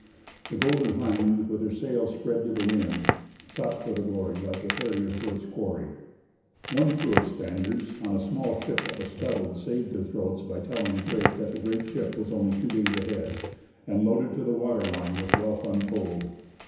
The Golden Hind, with her sails spread to the wind, sought for the Glory like a harrier for its quarry. One crew of Spaniards on a small ship that was scuttled saved their throats by telling Drake that the great ship was only two days ahead, and loaded to the water line with wealth untold.